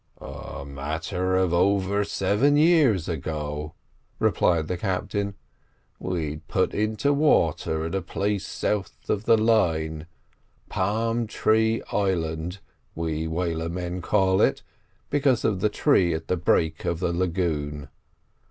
"A matter of over seven years ago," replied the captain, "we'd put in to water at a place south of the line—Palm Tree Island we whalemen call it, because of the tree at the break of the lagoon.